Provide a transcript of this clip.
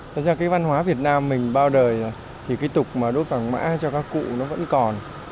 thật ra cái văn hóa việt nam mình bao đời thì cái tục mà đốt vàng mã cho các cụ nó vẫn còn